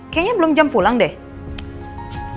kayaknya belum jam pulang deh